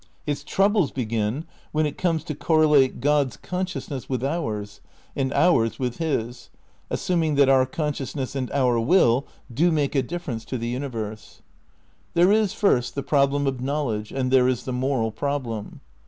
Its Jf^,g°^ troubles begin when it comes to correlate God's con Knowing 300 THE NEW IDEALISM xi sciousness with ours and ours with his, assuming that our consciousness and our will do make a difference to the universe. There is first the problem of knowledge,, and there is the moral problem.